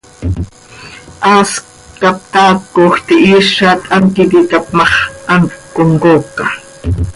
Haas cap taacoj, tihiizat, hant quih iti tap ma x, hant comcooca.